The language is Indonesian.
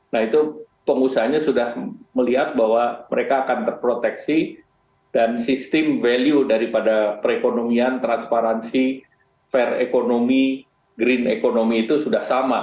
nah itu pengusahanya sudah melihat bahwa mereka akan terproteksi dan sistem value daripada perekonomian transparansi fair economy green economy itu sudah sama